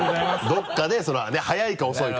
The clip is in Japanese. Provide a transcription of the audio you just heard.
どこかで早いか遅いかで。